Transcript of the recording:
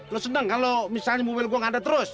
lo seneng kalau misalnya mobil gue gak ada terus